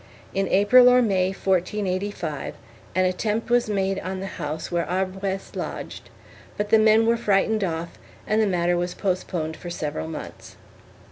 In April or May, 1485, an attempt was made on the house where Arbues lodged, but the men were frightened off and the matter was postponed for several months.